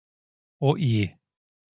O iyi.